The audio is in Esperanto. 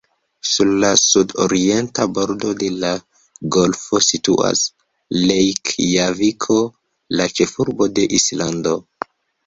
Sur la sud-orienta bordo de la golfo situas Rejkjaviko, la ĉefurbo de Islando.